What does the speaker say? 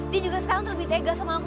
dia juga sekarang terlebih tegas sama aku